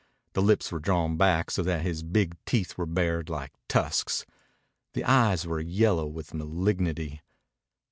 The lips were drawn back so that his big teeth were bared like tusks. The eyes were yellow with malignity.